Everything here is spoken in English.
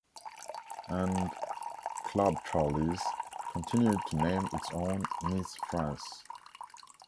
And "Club Charly's" continued to name its own Miss France.